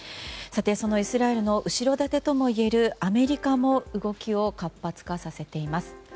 そのイスラエルの後ろ盾ともいえるアメリカも動きを活発化させています。